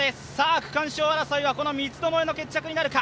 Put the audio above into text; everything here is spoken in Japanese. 区間賞争いは三つどもえの戦いとなるか。